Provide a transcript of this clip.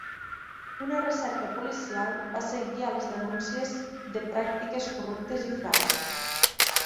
Una recerca policial va seguir a les denúncies de pràctiques corruptes i frau.